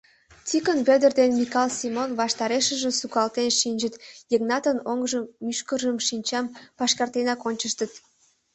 Тикын Вӧдыр ден Микал Семон ваштарешыже сукалтенак шинчыт, Йыгнатын оҥжым, мӱшкыржым шинчам пашкартенак ончыштыт.